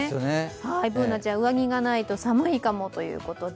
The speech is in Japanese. Ｂｏｏｎａちゃん、上着がないと寒いかもということで、